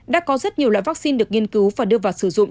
đã có rất nhiều loại vaccine được nghiên cứu và đưa vào sử dụng